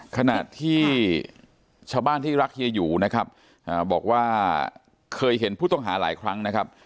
ขณะที่ชาวบ้านที่รักเฮียหยูนะครับบอกว่าเคยเห็นผู้ต้องหาหลายครั้งนะครับ